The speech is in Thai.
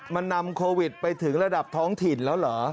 มันนำโควิดไปถึงระดับท้องถิ่นแล้วเหรอ